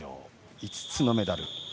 ５つのメダル。